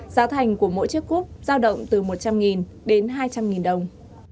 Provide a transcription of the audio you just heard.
giá thành của mỗi chiếc cúp giao động từ một trăm linh đến hai trăm linh đồng